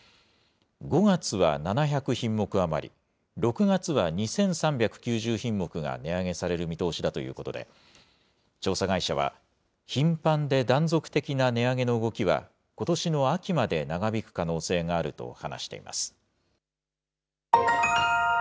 ５月は７００品目余り、６月は２３９０品目が値上げされる見通しだということで、調査会社は、頻繁で断続的な値上げの動きはことしの秋まで長引く可能性があると話しています。